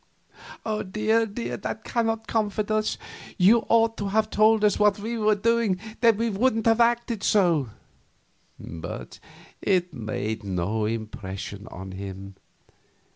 "Oh, dear, dear, that cannot comfort us. You ought to have told us what we were doing, then we wouldn't have acted so." But it made no impression on him.